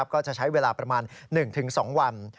ก็จะใช้เวลาประมาณ๑๒วัน